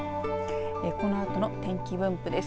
このあとの天気分布です。